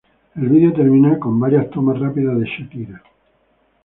El vídeo termina con varias tomas rápidas de Shakira.